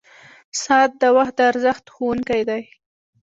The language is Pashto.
• ساعت د وخت د ارزښت ښوونکی دی.